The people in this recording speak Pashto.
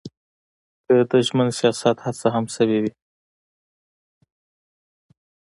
که د ژمن سیاست هڅه هم شوې وي.